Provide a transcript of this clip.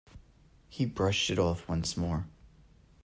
He brushed it off once more.